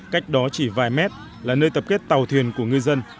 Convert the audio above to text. cách đó chỉ vài mét là nơi tập kết tàu thuyền của ngư dân